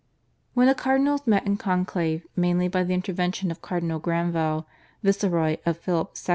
When the cardinals met in conclave, mainly by the intervention of Cardinal Granvelle, viceroy of Philip II.